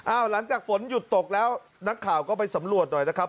หลังจากฝนหยุดตกแล้วนักข่าวก็ไปสำรวจหน่อยนะครับ